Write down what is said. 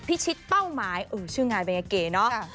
พิชิตเป้าหมายชื่องานเป็นยาเก๋เนอะ